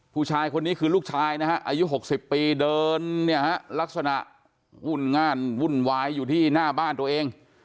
ผู้ชายคนนี้คือลูกชายนะฮะอายุ๖๐ปีเดินเนี่ยฮะลักษณะวุ่นง่านวุ่นวายอยู่ที่หน้าบ้านตัวเอง